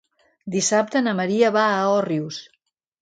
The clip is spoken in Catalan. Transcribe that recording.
Dissabte na Maria va a Òrrius.